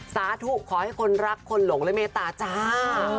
สาธุขอให้คนรักคนหลงและเมตตาจ้า